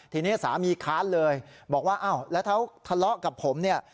ทีนี้สามีค้านเลยบอกว่าอ้าวแล้วถ้าทะเลาะกับผมเนี่ย